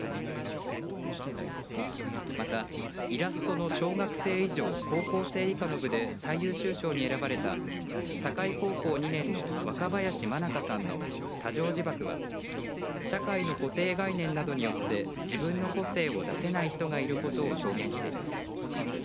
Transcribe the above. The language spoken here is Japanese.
またイラストの小学生以上高校生以下の部で最優秀賞に選ばれた境高校２年の若林真央さんの他縄自縛は社会の固定概念などによって自分の個性を出せない人がいることを表現しています。